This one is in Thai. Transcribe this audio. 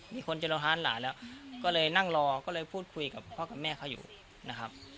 มีคนเจอฮานหลานแล้วก็เลยนั่งรอก็เลยพูดคุยกับพ่อกับแม่เขาอยู่นะครับ